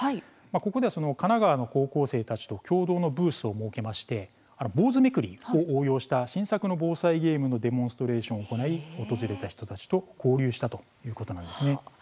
ここでは、神奈川の高校生たちと共同のブースを設けて坊主めくりを応用した新作の防災ゲームのデモンストレーションを行い訪れた人たちと交流したということです。